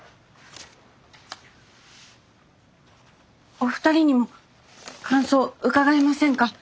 お二人にも感想を伺えませんか？